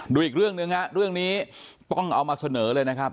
อีกเรื่องหนึ่งฮะเรื่องนี้ต้องเอามาเสนอเลยนะครับ